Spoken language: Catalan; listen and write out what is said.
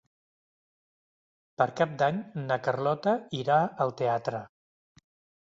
Per Cap d'Any na Carlota irà al teatre.